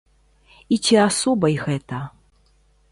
І ці асобай гэта?